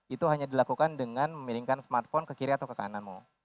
itu hanya dilakukan dengan memiringkan smartphone ke kiri atau ke kanan mall